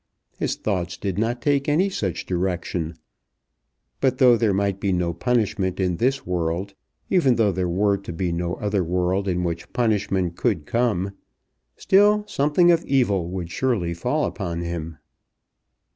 His thoughts did not take any such direction. But though there might be no punishment in this world, even though there were to be no other world in which punishment could come, still something of evil would surely fall upon him.